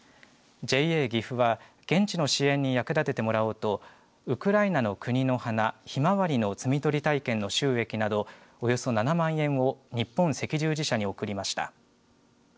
ＪＡぎふは現地の支援に役立ててもらおうとウクライナの国の花ひまわりの摘み取り体験の収益など、およそ７万円を日本赤十字社に送りました。